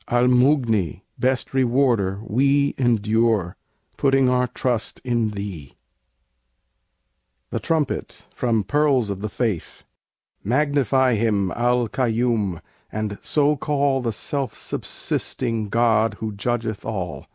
Al Mughni! best Rewarder! we Endure; putting our trust in Thee. THE TRUMPET From 'Pearls of the Faith' Magnify Him, Al Kaiyum; and so call The "Self subsisting" God who judgeth all.